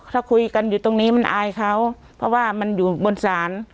ถ้าคุยกันอยู่ตรงนี้มันอายเขาเพราะว่ามันอยู่บนศาล